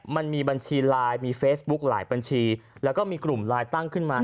มันมีบัญชีไลน์มีเฟซบุ๊คหลายบัญชีแล้วก็มีกลุ่มไลน์ตั้งขึ้นมา